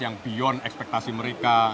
yang beyond ekspektasi mereka